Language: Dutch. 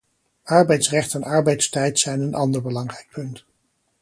Arbeidsrecht en arbeidstijd zijn een ander belangrijk punt.